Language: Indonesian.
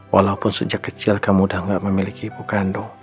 walaupun sejak kecil kamu udah gak memiliki ibu kandung